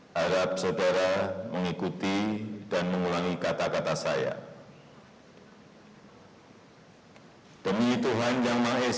harap saudara mengikuti dan mengulangi kata kata saya